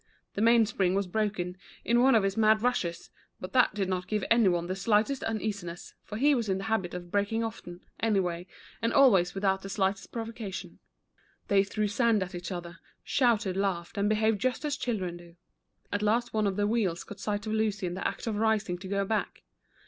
The main spring was broken, in one of his mad rushes, but that did not give anyone the slii^htest uneasiness, for he was in the habit of The Runaway Watch. 1 1 5 breaking often, anyway, and always without the slightest provocation. They threw sand at each other, shouted, laughed, and behaved just as children do. At last one of the wheels caught sight of Lucy in the act of rising to go back.